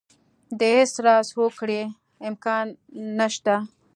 د هېڅ راز هوکړې امکان نه شته.